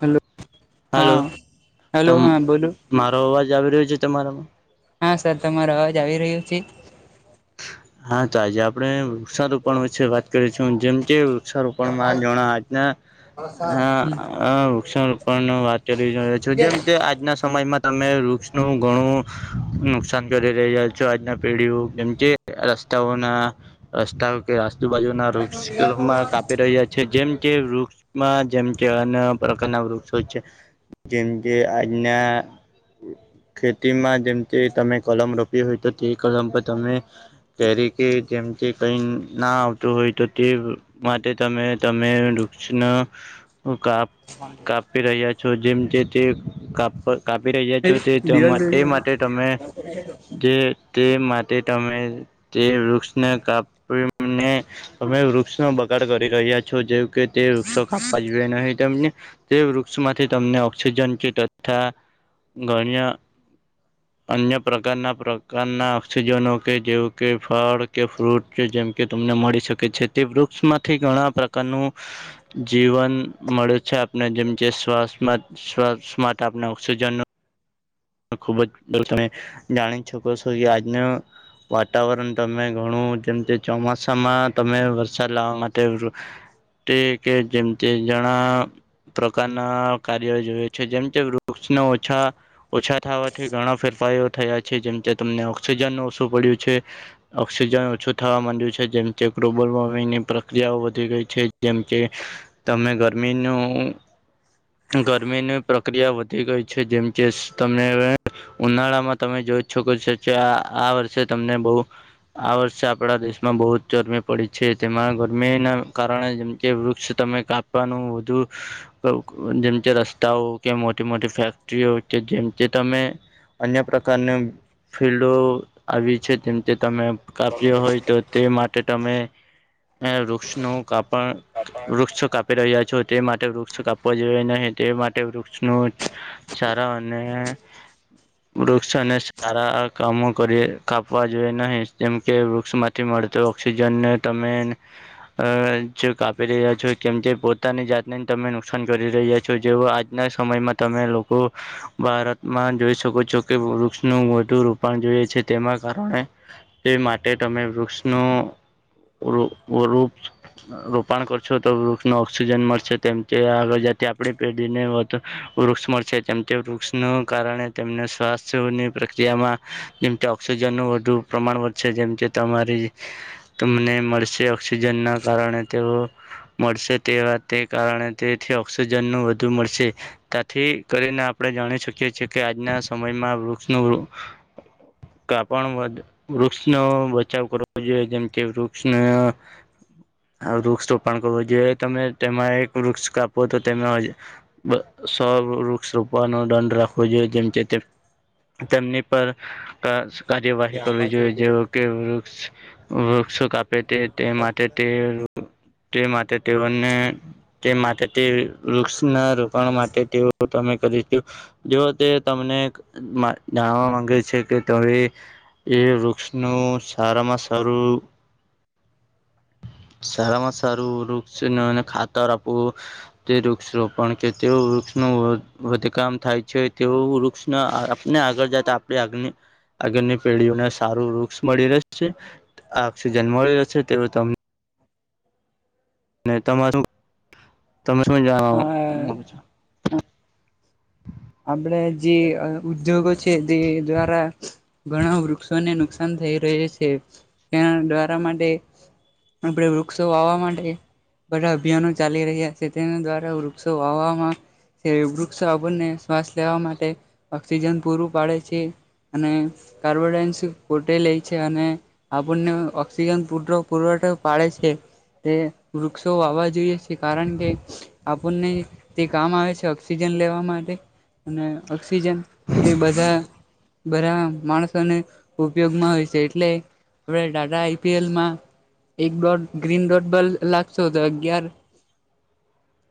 Hello. Hello, હા ત hello હા બોલો મારો અવાજ આવી રહ્યો છે તમારામાં? હા સર તમારો અવાજ આવી રહ્યો છે. હા તો આજે આપડે વૃક્ષારોપણ વિશે વાત કરીશું જેમ કે વૃક્ષારોપણમાં જોણા આજના. હા હ વૃક્ષારોપણ વાત કરી રહ્યો છું જેમ આજના સમયમાં તમે વૃક્ષ નું ઘણું, નુકસાન કરી રહ્યા છો આજના પેઢીઓ જેમ કે રસ્તાઓના રસ્તાઓ કે આજુબાજુ ના વૃક્ષોમાં કાપી રહ્યા છે. છે જેમ કે વૃક્ષમાં જેમ કે અ્ય પ્રકારના વૃક્ષો છે. જેમ કે આજના, ખેતીમાં જેમ કે તમે કલમ રો હોય તો તે કલમ પર તમે, ક કે જેમ કે ક ના આવતું હોય તો તે માટે તમે તમે વૃક્ષ હ ક કાપી રહ્યા છો જેમ જે તેાપ કાપી રહ્યા છો તે એ દિવાલ માટે દોરી માટે તમે જે તે માટે તમે તે વૃક્ષને કાપીને, તમે વૃક્ષ કરી રહ્યા છો જેવ કે તે વૃક્ષો ક આપવા જોએ નહીં તેમને તે વૃક્ષમાંથી તમને ઓક્સિજન કે તથા ગણ્ય અન્ય પ્રકારના પ્રકારના ઓક્સિજનો જેવું કે ફળ કે ફ્રૂટ જેમ કે તમને મળી શકે છે તે વૃક્ષ માંથી ઘણા નું જીવન મળે છે, આપને જેમ જે શ્વાસમાં [inaudible] આપના ઓક્સજન ખુબ જ તમે જાણી છોકો છો કે આજનો વાતાવરણ તમે ઘણું જેમ કે ચોમાસામાં તમે વરસાદ લાવવા માટે ટ કે જેમ ટે જણા પ્રકારના કાર્યો જોઈએ, છે જેમ કે વૃક્ષને ઓછા ઓછા થવાથી ઘણા ફેરફારો થયા છે, જેમ તમને ઓક્સિજન ન ઓછું પડ્યું છે. ઓઑક્સિજન ઓછું થવા માંડ્યું છે જેમ કે ગ્લોબલ વોર્મિંગની પ્રક્રિયાઓ વધી ગઈ છે, જેમ કે તમે ગરમીનું ગરમીની પ્રક્રિયા વધી ગઈ છે, જેમ કે તમને ઉનાળામાં તમે જોઈ શકો છો કે આ વર્ષે તમને બહુ આ વર્ષે આપણા દેશમાં બહુ જ ગરમી પડી છે, તેમાં ગરમીના કારણે જેમ કે વૃક્ષ તમે કાપવાનું વધુ જેમ જે રસ્તાઓ કે મોટી મોટી ફેક્ટરીઓ કે જેમ તમે અન્ય પ્રકારનું ફિલ્ડો આવી છે, તેમ તે તમે કાપ્યો હોય તો તે માટે તમે અને વૃક્ષ નું કાપણ વૃક્ષો કાપી રહ્યા છો તે માટે વૃક્ષ કાપવા જોઈએ નહીં, તે માટે વૃક્ષનું સારા અને [inaudible] વૃક્ષોને સારા કામો કરી કાપવા જોઈએ નહી જેમકે વૃક્ષ માં થી મળત ઓક્સિજન ને તમે અ જે કાપી રહ્યા છો કેમ કે પોતાની જાતને તમે નુકસાન કરી રહ્યા છો જેવો આજ ના સમયમાં તમે લોકો ભારત માં જોઈ શકો છો કે વૃક્ષનું વધુ રોપણ જોય છે તેના કારણે તે માટે તમે વૃક્ષનું [unintelligible] રોપણ કર છો તો વૃક્ષ નો ઓક્સિજન મળશે તેમ તે આગળ જ તે આપણી પેઢીને વધ વૃક્ષ મળશે તેમ તે વૃક્ષનો કારણે તેમને સ્વાસ્થ્યની પ્રક્રિયામાં જેમકે ઓક્સિજનનું વધુ પ્રમાણ વધશે જેમ કે તમારી તમને મળશે ઓક્સિજન ના કારણે તેઓ મળશે તે વાતે કારણે તેથી ઓક્સિજન નું મળશે ત્યાથી કરીને આપણે જાણી શકીએ. કે છે કે આજના સમયમાં વૃક્ષનું કાપણ વધ વૃક્ષનો બચાવ કરવો જોઈએ જેમ કે વૃક્ષને વૃક્ષ રોપણ કરવો જે તમે તેમાં એક વૃક્ષ કાપો તો તેમે બ સો વૃક્ષ રોપનો દંડ રાખ વો જોઈએ જે તેમની પર કાર્યવાહી કરવી જોઈએ જેઓ કે વૃક્ષ વૃક્ષો કાપે તે તે માટે તે તે માટે તેઓને તે માટે તે વૃક્ષના રોકાણ માટે તેઓ તમે કરી જો તે તમને એક જાણવા માંગે છે કે તવે એ વૃક્ષનું સારામાં સારું સારા માં સારું વૃક્ષનેને ખાતર આપવું. તે વૃક્ષ રોપણ કે તે વૃક્ષનું વધ કામ થાય છે તેવું વૃક્ષ આપને આગળ જતા આપણી આગ આગળની પેઢીઓને સારું વૃક્ષ મળી રહે છે. આક્ષિજન મળેલો છે તેવ તમને તમારૂ તમે શું અ જણવા આપડે જે ઉદ્યોગો છે તે દ્વારા ઘણા વૃક્ષોને નુકસાન થઈ રહ છે તેના દ્વારા માટે- - આપડે વૃક્ષો વાવા માટે- - બધા અભિયાનો ચાલી રહ્યા છે તેના દ્વારા વૃક્ષો વાવામાં- - એ વૃક્ષ આપણને ને શવાસ લેવા માટે ઓક્સિજન પૂરું પાડે છે. અને કાર્બોડન્સ પોતે લે છે અને- - આપણને ઓક્સિજન પુરતો પુરવઠો પાડે છે. તે વૃક્ષો વાવા જોઈએ છે કારણ કે- - આપણને તે કામ આવે છે ઓક્સિજન લેવા માટે- - અને ઓક્સિજન તે બધા- - બધા માણસોને ઉપયોગમાં હોય છે એટલે આપણે ટાટા આઈપીએલમાં- - એક દોડ ગ્રીન ડોડ બલ્ લાગશો તો અગિયાર- -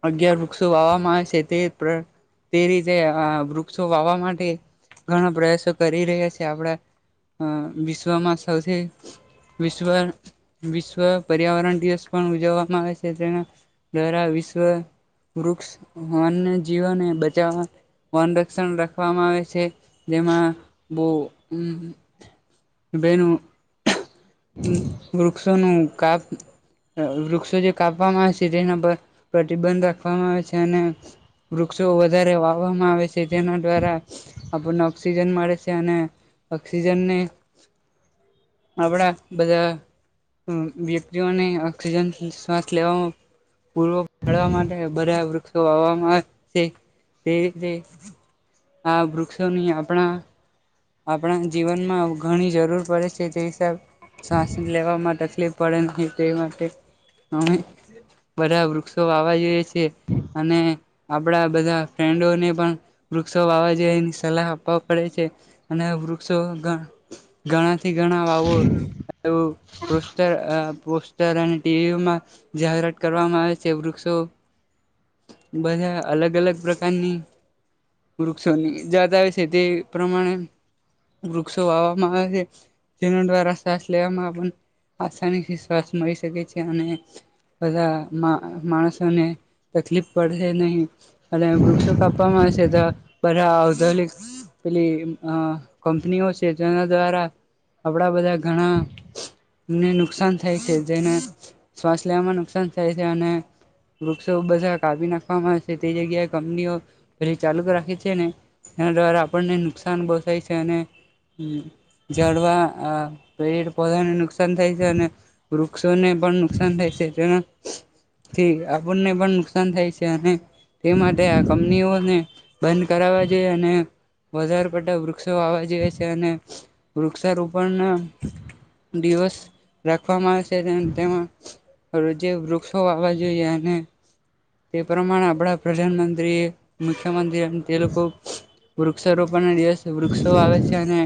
અગિયાર વૃક્ષો વાવામાં આવે છે તે પ્ર તેરી- - તે આ વૃક્ષો વાવા માટે ઘણા પ્રયાસો કરી રહ્યા છે આપડા. અ વિશ્વમાં સૌથી વિશ્વ- - વિશ્વ પર્યાવરણ દિવસ પણ ઉજવવામાં આવે છે તેના દ્વારા વિશ્વ- - વૃક્ષ વન્ય જીવોને બચાવવા- - વન સંરક્ષણ રાખવામાં આવે છે જેમાં બઉ હું - બેનું વૃક્ષોનું કાપ- - વૃક્ષો જે કાપવામાં આવે જે નંબર પ્રતિબંધ રાખવામાં આવે છે અને વૃક્ષો વધારે વાવવામાં આવે છે તેના દ્વારા આપણને ઓક્સિજન મળે છે અને ઓક્સિજનને આવડા બધા. અ વ્યક્તિઓને ઓક્સિજન શ્વાસ લેવામાં પૂર્વ પાડવા માટે બધા વૃક્ષો આવવામાં આવે છે. તે તે આ વૃક્ષોની આપણા આપણા જીવનમાં ઘણી જરૂર પડે છે તે હિસાબ શ્વાસ લેવામાં તકલીફ પડે નહી તે માટે અમેં બધા વૃક્ષો વાવા જોઈએ છે અને આપણા બધા ફ્રેન્ડોને પણ વૃક્ષો વાવા જવાની સલાહ આપવા પડે છે. અને વૃક્ષો ગ ધણા થી ધણા વાવો. પુસ્ત અ પુસ્તર અને ટીવીમાં જાહેરાત કરવામાં આવે છે વૃક્ષો બધા અલગ-અલગ પ્રકારની વૃક્ષોની જાત આવે છે તે પ્રમાણે વૃક્ષો વાવામાં આવે. જેનો દ્વારા શ્વાસ લેવામાં આપણ આસાનીથી શ્વાસ મળી શકે છે અને બધા મા માણસોને તકલીફ પડશે નહી. અને વૃક્ષો કાપવામાંશે [unintelligible] તો બધા આવધ પેલી અ કંપનીઓ છે જેના દ્વારા આપણા બધા ઘણા ને નુકસાન થાય છે જેને શ્વાસ લેવામાં નુકસાન થાય છે અને વૃક્ષો બધા કાપી નાખવામાં આવે છે તે જગ્યાએ કંપનીઓ પેલા ચાલુ રાખે છે ને એના દ્વારા આપણને નુકસાન બો થાય છે અને ઝાડવા અ પેડ પોધાને નુકસાન થાય છે અને વૃક્ષોને પણ નુકસાન થાય છે તેના થી આપણને પણ નુકસાન થાય છે અને તે માટે આ કંપનીઓને બંધ કરવા જોઈએ અને વધાર વટ્ટ વૃક્ષો વાવા જોઈએ છે અને વૃક્ષારોપણને દિવસ રાખવામાં આવે છે એમ તેમાં. હવે જે વૃક્ષો વાવા જોઈએ અને તે પ્રમાણે આપણા પ્રધાનમંત્રીએ મુખ્યમંત્રી તે લોકો વૃક્ષારોપણના દિવસે વૃક્ષો વાવે છે અને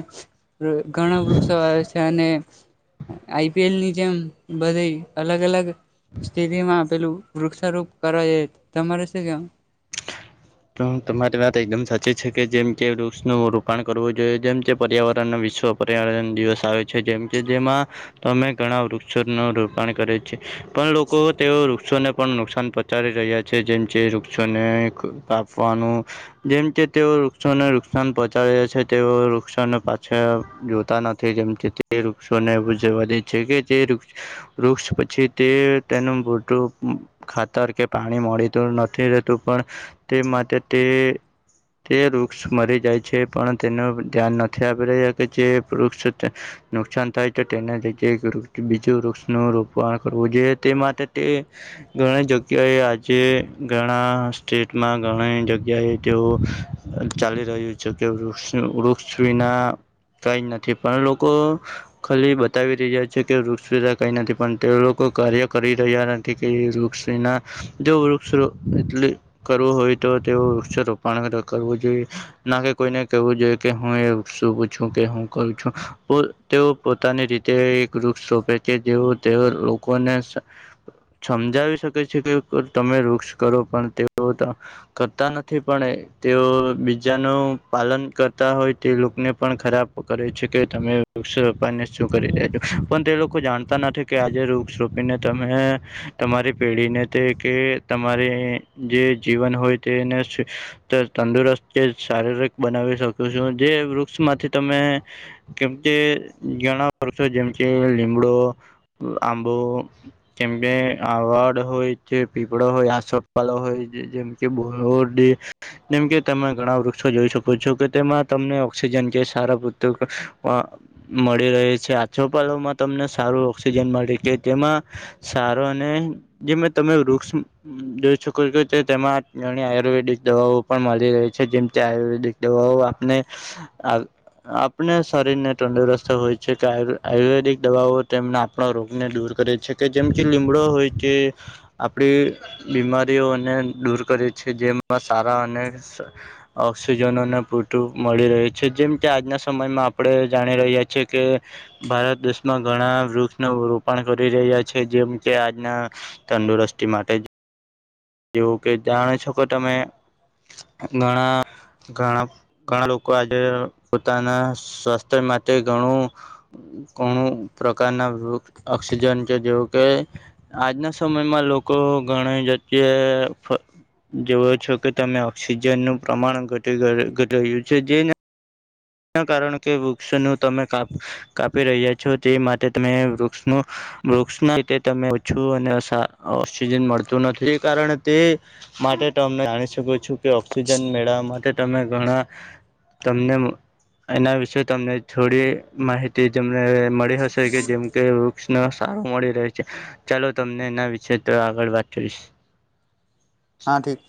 ઘણા વૃક્ષો વાવે છે અને આઈપીએલની જેમ બધી અલગ અલગ સ્થિતિમાં પેલું વૃક્ષારોપ કરાય તમારે શું કેવા [unintelligible] તો તમારી વાત એકદમ સાચી છે કે જેમ કે વૃક્ષનું રોપણ કરવું જોઈએ જેમ કે પર્યાવરણ વિશ્વ પર્યાવરણ દિવસ આવે છે જેમ કે જેમાં તમે ઘણા વૃક્ષોનું રોપણ કરે છે પણ લોકો તેઓ વૃક્ષોને પણ નુકસાન પોચાડી રહ્યા છે જેમ છે વૃક્ષોને કાપવાનું જેમ કે તેઓ વૃક્ષોને નુકસાન પહોંચાડે છે તેઓ વૃક્ષોને પાછા જોતા નથી થી જેમ તે વૃક્ષોને એવ જવા દે છે કે જે વૃક્ષો [unintelligible] વૃક્ષ પછી તે તેનું [unintelligible] ખાતર કે પાણી મળી તો નથી રહેતું પણ તે માટે તે તે વૃક્ષ મરી જાય છે પણ તેનું ધ્યાન નથી આપી રહ્યા કે જે વૃક્ષ [unintelligible] નુકસાન થાય તો તેને જગ્યાએ બીજું વૃક્ષનું રોપણ કરવું જોઈએ તે માટે તે ઘણી જગ્યાએ આજે ઘણા સ્ટેટ માં ઘણી જગ્યાએ તેઓ ચાલી રહ્યું છે કે વૃક્ષનું વૃક્ષ વિના કંઈ જ નથી પણ લોકો ખાલી બતાવી રહ્યા છે કે વૃક્ષ સુધા કઈ નથી પણ તે લોકો કાર્ય કરી રહ્યા ન થી કે એ વૃક્ષના જો વૃક્ષ એટલી કરવું હોય તો તેવ વૃક્ષ રોપણ [unintelligible] કરવું જોઈએ. ના કે કોઈને કેવું જોઈએ કે હું એ શું પૂછું કે હું કરું છું. તેઓ પોતાની રીતે એક વૃક્ષ રોપે છે જે તેઓ લોકોને સમજાવી શકે છે કે તમે વૃક્ષ કરો પણ તેઓ ત કરતા નથી પણ તેઓ બીજાનું પાલન કરતા હોય તે લોકોને પણ ખરાબ કરે છે કે તમે વૃક્ષારોપીને શું કરી રહ્યા છો, પણ તે લોકો જાણતા નથી. કે આજે વૃક્ષોરોપીને તમે તમારી પેઢીને તે કે તમારી જે જીવન હોય તેને શિ તંદુરસ્ત કે શારીરિક બનાવી શક જોવ જે વૃક્ષ માંથી તમે કેમ કે ઘણા વર્ષો જેમ કે લીમડો આંબો કેમકે આડ હોય કે પીપળો હોય આ સો પાલવ હોય જેમ કે બ [unintelligible] જેમકે તમે ઘણા વૃક્ષો જોઈ શક પૂછો કે તેમાં તમને ઓક્સિજન કે સારા [unintelligible] પત મળી રહે છે આછોપાલોમાં તમને સારું ઓક્સિજન મળે કે તેમાં સારો અને જે મે તમે વૃક્ષ જો છોક તેમાં ઘણી આયુર્વેદિક દવાઓ પણ મળી રહી છે જેમ તે આયુર્વેદિક દવાઓ આપને આલ આપણે શરીર ને તંદુરસ્ત હોય છે કે આયુર્વેદિક દવાઓ તેમના આપડા રોગને દૂર કરે છે કે જેમ કે લીમડો હોય તે આપડી બીમા રિઓને દૂર કરે છે જેમાં સારા અને ઓક્સિજનોને પૂરતું મળી રહ્યું છે જેમ કે આજના સમયમાં આપડે જાણી રહ્યા છે કે. ભારત દેશમાં ઘણા વૃક્ષ નુ રોપણ કરી રહ્યા છે જેમ કે આજના તંદુરસ્તી માટે જ, જેવું કે જાણો છો કે તમે ઘણા ઘણા ઘણા લોકો આજે પોતાના સ્વાસ્થ્ય માટે ઘણું, કોણુ પ્રકારના વૃ ઓક્સિજન છે જેવું કે આજના સમયમાં લોકો ઘણી જગાએ, જોવો છો કે તમે ઓક્સિજન નું પ્રમાણ ઘટી ઘટ્યું છે જેને ના કારણ કે વૃક્ષનું તમે કાપ કાપી રહ્યા છો તે માટે તમે વૃક્ષ નુ વૃક્ષ ના ત ઓછું અને અસા- ઓક્સિજન મળતું નથી એ કારણે તે માટે તમને જાણી શકુ છું કે ઓક્સિજન મેળવવા માટે તમે ઘણા તમને એના વિશે તમને થોડી માહિતી જેમને મળી હશે કે જેમ કે વૃ ક્ષમાં સારો મળી રહે છે, ચાલો તમને એના વિશે તો આગળ વાત કરીશ. હા, ઠીક.